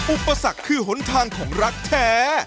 อุปสรรคคือหนทางของรักแท้